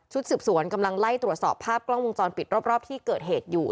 สืบสวนกำลังไล่ตรวจสอบภาพกล้องวงจรปิดรอบที่เกิดเหตุอยู่